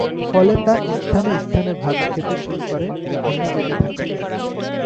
ফলে তা স্থানে স্থানে ভাঁজ খেতে শুরু করে ও ভেঙে যেতে থাকে।